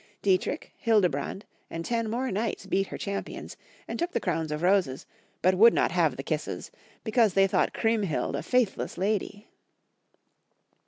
Dietrich, Hildebrand, and ten more knights beat her champions, and took the crowns of roses, but would not have the kisses, because they thought Chriemhild a faithless lady